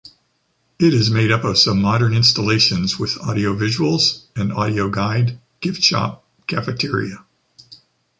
It is made up of some modern installations with audiovisuals, an audio-guide, gift shop, cafeteria...